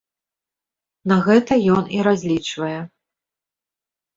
На гэта ён і разлічвае.